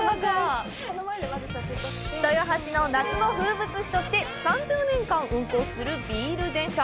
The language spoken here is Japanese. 豊橋の夏の風物詩として３０年間、運行するビール電車。